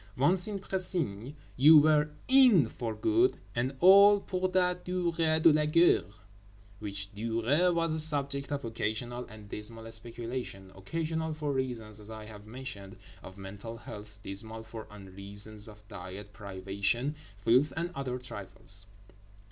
Once in Précigne you were "in" for good and all, pour la durée de la guerre, which durée was a subject of occasional and dismal speculation—occasional for reasons, as I have mentioned, of mental health; dismal for unreasons of diet, privation, filth, and other trifles.